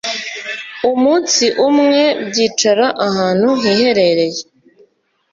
umunsi umwe byicara ahantu hiherereye,